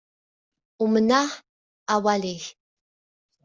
Umneɣ awal-ik.